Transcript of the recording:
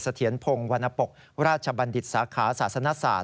เถียรพงศ์วรรณปกราชบัณฑิตสาขาศาสนศาสต